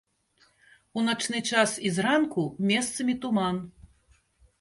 У начны час і зранку месцамі туман.